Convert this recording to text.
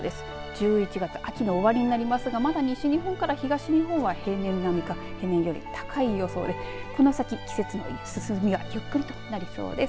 １１月、秋の終わりになりますがまだ西日本から東日本は平年並みか平年より高い予想でこの先、季節の進みはゆっくりとなりそうです。